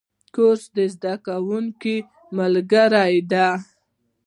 کورس د زده کوونکو ملګری دی.